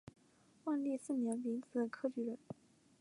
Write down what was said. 万历四年丙子科举人。